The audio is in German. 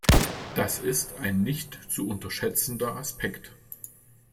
Das ist ein nicht zu unterschätzender Aspekt.